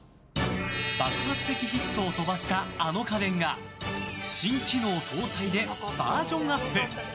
爆発的ヒットを飛ばしたあの家電が新機能搭載でバージョンアップ！